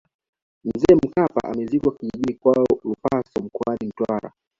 mzee mkapa amezikwa kijijini kwao lupaso mkoani mtwara